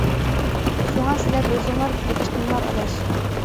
شۇڭا سىلەر ئۆزۈڭلار كىرىپ چىقىڭلار ئاداش.